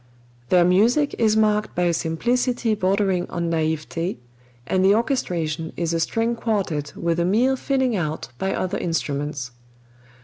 Their music is marked by a simplicity bordering on naïveté, and the orchestration is a string quartet with a mere filling out by other instruments.